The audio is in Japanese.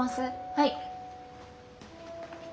はい。